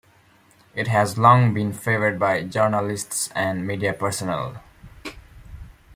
It has long been favoured by journalists and media personnel.